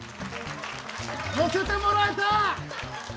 乗せてもらえた！